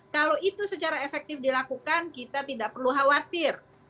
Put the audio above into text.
kalau itu secara efektif dilakukan kita tidak perlu khawatir